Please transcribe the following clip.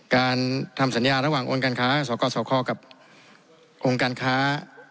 การทำสัญญาระหว่างองค์การค้าสกสคกับองค์การค้า